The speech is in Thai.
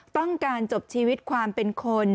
ต้องการจบชีวิตความเป็นคน